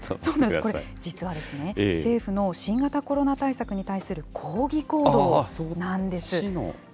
これ、実は、政府の新型コロナ対策に対する抗議行動なんです。